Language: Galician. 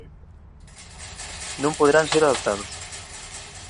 Non poderán ser adoptados